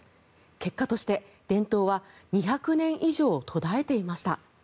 結果として伝統は２００年以上途絶えていました。